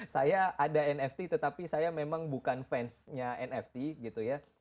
saya ada nft tetapi saya memang bukan fansnya nft gitu ya